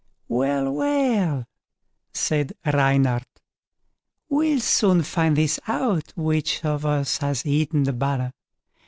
"Well, well", said Reynard, "we'll soon find this out, which of us has eaten the butter.